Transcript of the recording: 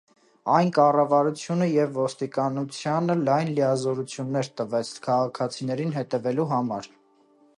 Այն կառավարությանը և ոստիկանությանը լայն լիազորություններ տվեց քաղաքացիներին հետևելու համար։